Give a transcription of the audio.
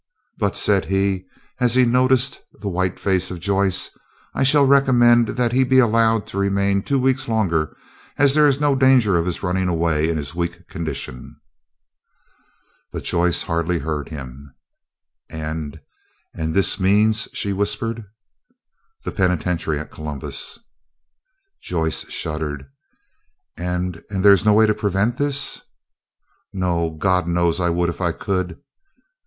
"But," said he, as he noticed the white face of Joyce, "I shall recommend that he be allowed to remain two weeks longer, as there is no danger of his running away in his weak condition." But Joyce hardly heard him. "And—and—this means?" she whispered. "The penitentiary at Columbus." Joyce shuddered. "And—and there is no way to prevent this?" "None. God knows I would if I could."